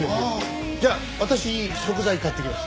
じゃあ私食材買ってきます。